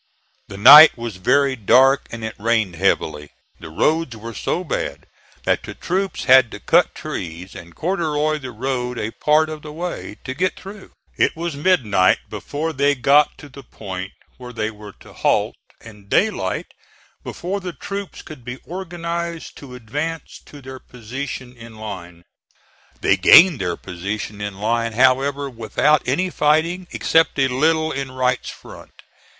The night was very dark and it rained heavily, the roads were so bad that the troops had to cut trees and corduroy the road a part of the way, to get through. It was midnight before they got to the point where they were to halt, and daylight before the troops could be organized to advance to their position in line. They gained their position in line, however, without any fighting, except a little in Wright's front.